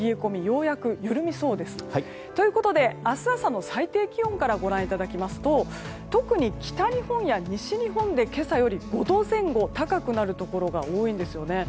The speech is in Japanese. ようやく緩みそうです。ということで、明日朝の最低気温からご覧いただきますと特に北日本や西日本で今朝より５度前後高くなるところが多いんですよね。